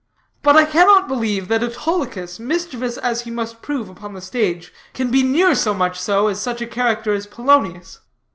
"But I cannot believe that Autolycus, mischievous as he must prove upon the stage, can be near so much so as such a character as Polonius."